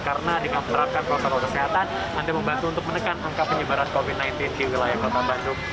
karena dengan menerapkan protokol kesehatan anda membantu untuk menekan angka penyebaran covid sembilan belas di wilayah kota bandung